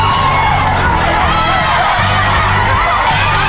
สมัคร